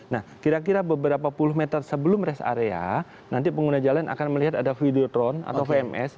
nah kira kira beberapa puluh meter sebelum rest area nanti pengguna jalan akan melihat ada videotron atau vms